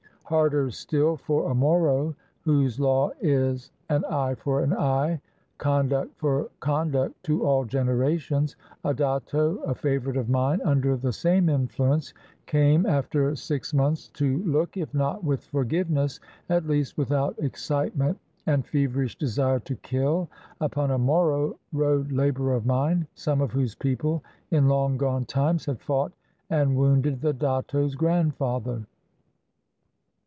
Harder still for a Moro, — whose law is an eye for an eye, conduct for conduct to all generations, — a datto, a fa vorite of mine, under the same influence, came after six months to look, if not with forgiveness, at least with out excitement and feverish desire to kill, upon a Moro road laborer of mine, some of whose people in long gone times had fought and wounded the datto's grandfather.